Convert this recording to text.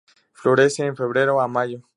Florece en febrero a mayo.